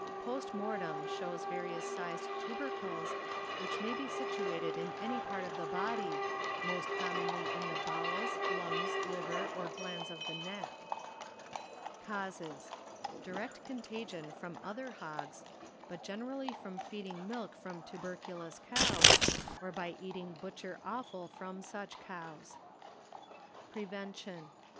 Post mortem shows various sized 'tubercles, which may be situated in any part of the body, most commonly in the bowels, lungs, liver, or glands of the neck. Causes, ŌĆö Direct contagion from other hi^s, but generally from feeding milk from tuberculous cows, or by eating butcher offal from such cows. Prevention.